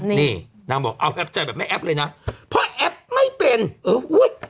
นี่นางบอกเอาแอปใจแบบแม่แอ๊บเลยนะเพราะแอปไม่เป็นเอออุ้ย